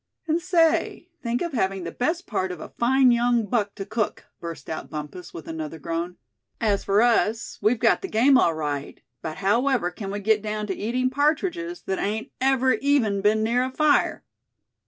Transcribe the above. "And say, think of having the best part of a fine young buck to cook!" burst out Bumpus, with another groan. "As for us, we've got the game all right; but however can we get down to eating partridges that ain't ever even been near a fire."